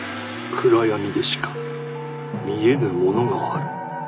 暗闇でしか見えぬものがある。